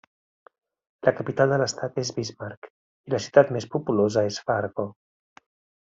La capital de l'estat és Bismarck i la ciutat més populosa és Fargo.